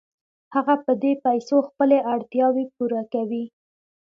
هغه په دې پیسو خپلې اړتیاوې پوره کوي